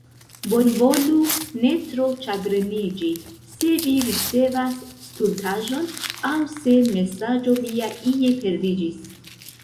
Bonvolu ne tro ĉagreniĝi, se vi ricevas stultaĵon, aŭ se mesaĝo via ie perdiĝis.